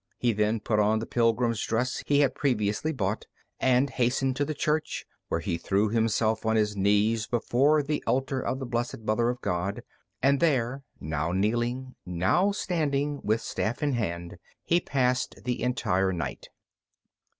He then put on the pilgrim's dress he had previously bought, and hastened to the church, where he threw himself on his knees before the altar of the Blessed Mother of God, and there, now kneeling, now standing, with staff in hand, he passed the entire night.